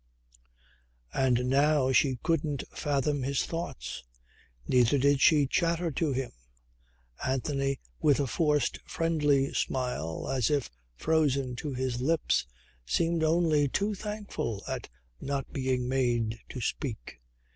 And now she couldn't fathom his thoughts. Neither did she chatter to him. Anthony with a forced friendly smile as if frozen to his lips seemed only too thankful at not being made to speak.